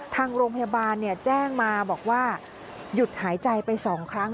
ทางโรงพยาบาลแจ้งมาบอกว่าหยุดหายใจไป๒ครั้ง